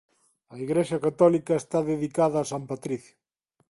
A igrexa católica está dedicada a San Patricio.